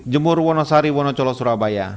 jemur wonosari wonocolo surabaya